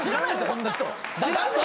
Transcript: こんな人。